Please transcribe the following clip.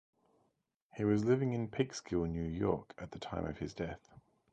He was living in Peekskill, New York, at the time of his death.